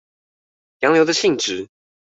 洋流的性質